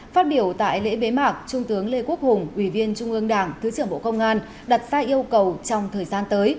phát biểu tại lễ bế mạc trung tướng lê quốc hùng ủy viên trung ương đảng thứ trưởng bộ công an đặt ra yêu cầu trong thời gian tới